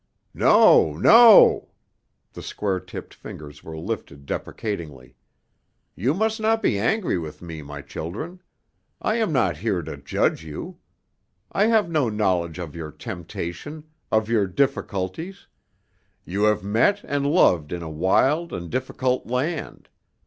"No, no!" The square tipped fingers were lifted deprecatingly. "You must not be angry with me, my children. I am not here to judge you. I have no knowledge of your temptation, of your difficulties; you have met and loved in a wild and difficult land.